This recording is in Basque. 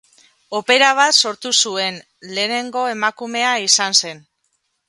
Opera bat sortu zuen lehenengo emakumea izan zen.